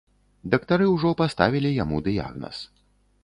Дактары ўжо паставілі яму дыягназ.